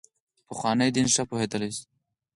پخواني دین ښه پوهېدلي.